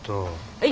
はい！